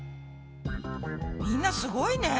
みんなすごいね！